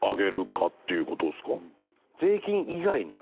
税金以外によ。